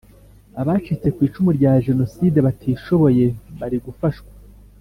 Abacitse ku icumu rya Jenoside batishoboye bari gufashwa